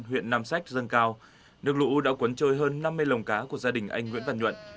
huyện nam sách dâng cao nước lũ đã cuốn trôi hơn năm mươi lồng cá của gia đình anh nguyễn văn nhuận